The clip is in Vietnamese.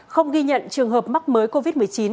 không ghi nhận trường hợp mắc mới covid một mươi chín